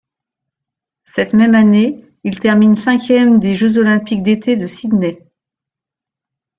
Cette même année, il termine cinquième des Jeux olympiques d'été de Sydney.